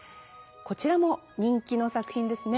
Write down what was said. こちらも人気の作品ですね。